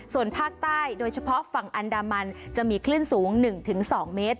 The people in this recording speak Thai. ส่วนภาคใต้โดยเฉพาะฝั่งอันดามันจะมีคลื่นสูง๑๒เมตร